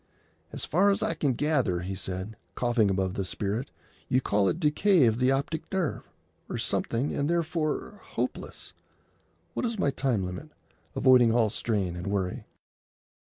"As far as I can gather," he said, coughing above the spirit, "you call it decay of the optic nerve, or something, and therefore hopeless. What is my time limit, avoiding all strain and worry?"